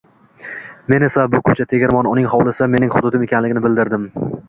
Men esa bu ko‘cha, tegirmon, uning hovlisi mening hududim ekanligini bildirdim